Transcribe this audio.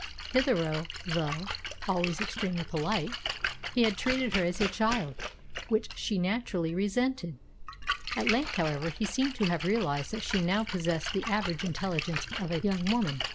Hitherto, though always extremely polite, he had treated her as a child, which she naturally resented. At length, however, he seemed to have realised that she now possessed the average intelligence of a young woman.